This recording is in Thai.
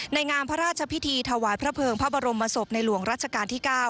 งามพระราชพิธีถวายพระเภิงพระบรมศพในหลวงรัชกาลที่๙